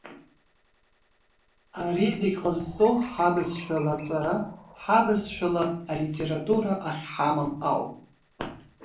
Ари зегь ҟазҵо ҳабызшәала аҵара, ҳабызшәала алитература ахьҳамам ауп.